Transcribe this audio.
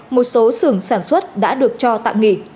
một số sưởng sản xuất đã được cho tạm nghỉ